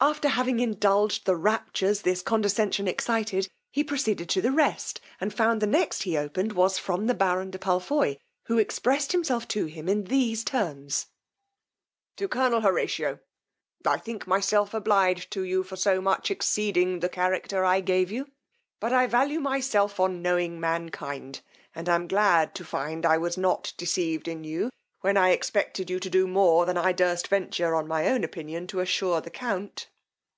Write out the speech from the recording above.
After having indulged the raptures this condescention excited, he proceeded to the rest, and found the next he opened was from the baron de Palfoy, who expressed himself to him in these terms: To Colonel HORATIO. "I think myself obliged to you for so much exceeding the character I gave you; but I value myself on knowing mankind, and am glad to find I was not deceived in you, when I expected you to do more than I durst venture on my own opinion to assure the count.